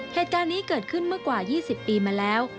เหตุการณ์นี้เกิดขึ้นเมื่อกว่า๒๐ปีมาแล้ว